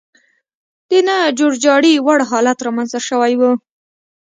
د نه جوړجاړي وړ حالت رامنځته شوی و.